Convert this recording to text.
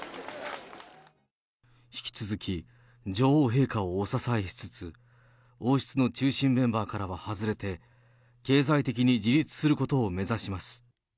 引き続き女王陛下をお支えしつつ、王室の中心メンバーからは外れて、経済的に自立することを目指します。